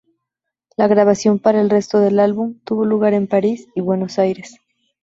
La Grabación para el resto del álbum tuvo lugar en París y Buenos Aires.